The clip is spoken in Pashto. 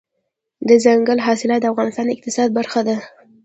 دځنګل حاصلات د افغانستان د اقتصاد برخه ده.